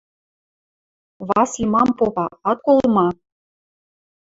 Васли мам попа, ат кол ма?..